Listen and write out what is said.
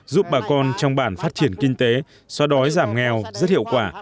giúp bà con trong bản phát triển kinh tế xoa đói giảm nghèo rất hiệu quả